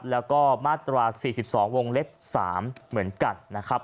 และมาตรา๔๒๓เหมือนกัน